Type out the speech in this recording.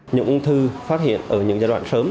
những ung thư phát hiện ở những giai đoạn sớm